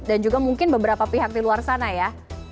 dan juga mungkin beberapa pihak di luar sana ya